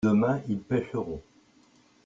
demain ils pêcheront.